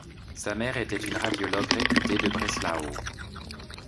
Sa mère était une radiologue réputée de Breslau.